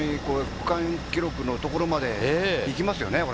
区間記録のところまで行きますよね。